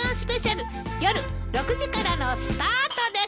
夜６時からのスタートです。